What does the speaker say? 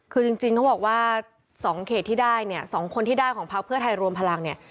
คือจริงเขาบอกว่า๒เขตที่ได้เนี่ย๒คนที่ได้ของพักเพื่อไทยรวมพลังเนี่ย